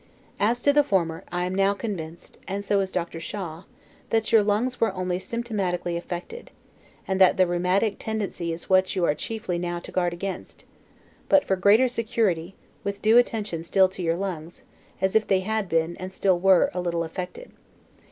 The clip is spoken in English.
As to the former, I am now convinced, and so is Dr. Shaw, that your lungs were only symptomatically affected; and that the rheumatic tendency is what you are chiefly now to guard against, but (for greater security) with due attention still to your lungs, as if they had been, and still were, a little affected.